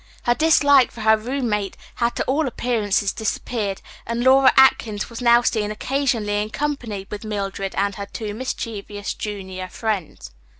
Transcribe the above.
Her dislike for her roommate had to all appearances disappeared, and Laura Atkins was now seen occasionally in company with Mildred and her two mischievous junior friends.